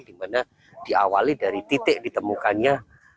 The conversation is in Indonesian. dimana diawali dari titik ditemukannya